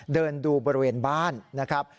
เดินดูบริเวณบ้านนะครับ